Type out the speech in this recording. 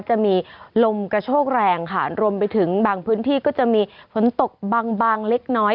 จะมีลมกระโชกแรงค่ะรวมไปถึงบางพื้นที่ก็จะมีฝนตกบางบางเล็กน้อย